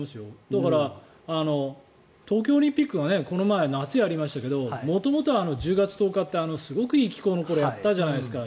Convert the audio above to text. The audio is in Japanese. だから東京オリンピックがこの前、夏にやりましたけど元々は１０月１０日ってすごくいい気候の頃にやったじゃないですか。